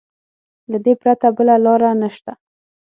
له دې پرته بله لاره نشته.